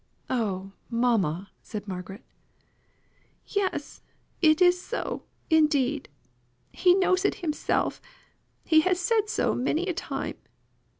"Oh, mamma!" said Margaret. "Yes; it is so, indeed. He knows it himself; he has said so many a time.